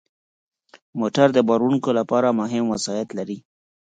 موټر د بار وړونکو لپاره مهم وسایط لري.